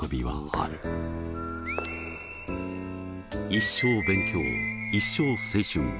「一生勉強一生青春」。